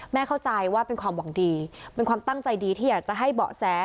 เข้าใจว่าเป็นความหวังดีเป็นความตั้งใจดีที่อยากจะให้เบาะแส